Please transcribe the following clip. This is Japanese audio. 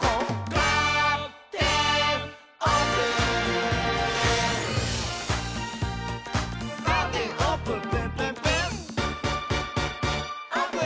「カーテンオープンプンプンプン」「オープン！」